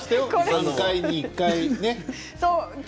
３回に１回。